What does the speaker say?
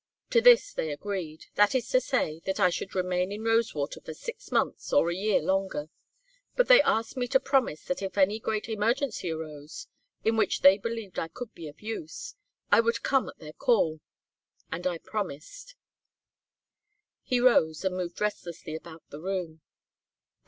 To this they agreed: that is to say, that I should remain in Rosewater for six months or a year longer; but they asked me to promise that if any great emergency arose, in which they believed I could be of use, I would come at their call. And I promised." He rose and moved restlessly about the room.